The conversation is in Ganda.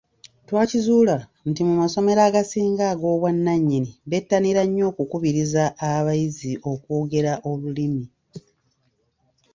Twakizuula nti mu masomero agasinga ag’obwannannyini bettanira nnyo okukubiriza abayizi okwogera Olulimi.